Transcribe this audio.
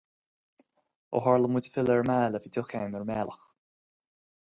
Ó tharla muid ag filleadh ar an mbaile, bhí deoch againn ar an mbealach.